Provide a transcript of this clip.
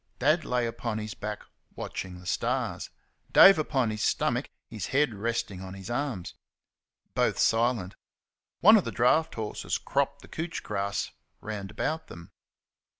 Dad lay upon his back, watching the stars; Dave upon his stomach, his head resting on his arms. Both silent. One of the draught horses cropped the couch grass round about them.